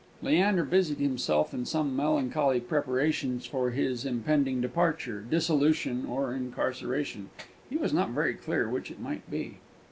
Leander busied himself in some melancholy preparations for his impending departure, dissolution, or incarceration; he was not very clear which it might be.